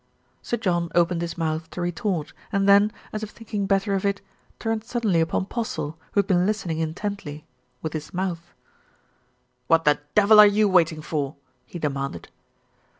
Sir John opened his mouth to retort and then, as if thinking better of it, turned suddenly upon Postle, who had been listening intently with his mouth. "What the devil are you waiting for?" he demanded.